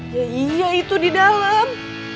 ya iya itu di dalam